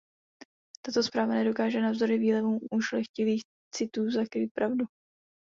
Tato zpráva nedokáže navzdory výlevům ušlechtilých citů zakrýt pravdu.